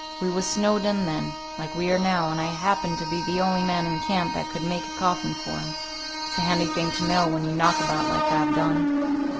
We was snowed in then, like we are now, and I happened to be the only man in camp that could make a coffin for him. It's a handy thing to know, when you knock about like I've done."